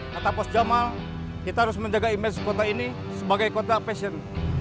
kata bos jamal kita harus menjaga imej kota ini sebagai kota passion